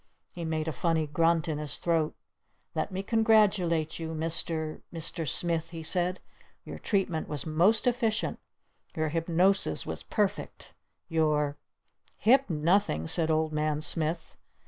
He made a funny grunt in his throat. "Let me congratulate you, Mr. Mr. Smith!" he said. "Your treatment was most efficient! Your hypnosis was perfect! Your " "Hip nothing!" said Old Man Smith.